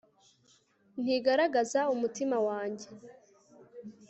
ntigaragaza umutima wanjye